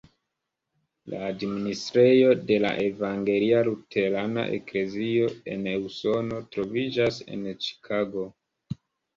La administrejo de la Evangelia Luterana Eklezio en Usono troviĝas en Ĉikago.